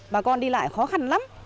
bà con đi lại khó khăn lắm